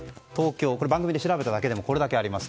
番組で調べただけでもこれだけあります。